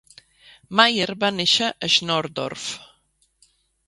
Maier va néixer a Schorndorf.